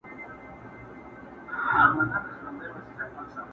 زموږ ګلونه په سپرلي کي مړاوي کيږي.